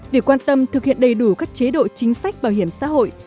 việc quan tâm thực hiện đầy đủ các chế độ chính sách bảo hiểm xã hội